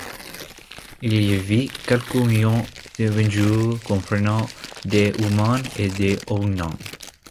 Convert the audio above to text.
Il y vit quelques millions d'individus, comprenant des Humains et des Ugnaughts.